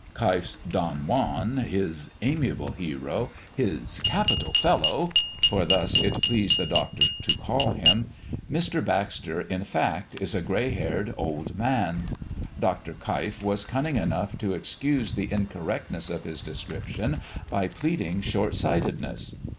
Keif's "Don Juan," his "amiable hero," his "capital fellow," for thus it pleased the doctor to call him Mr. Baxter, in fact, is a grey haired old man. Dr. Keif was cunning enough to excuse the incorrectness of his description by pleading short sightedness.